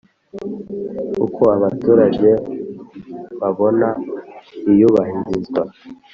Uko abaturage babona iyubahirizwa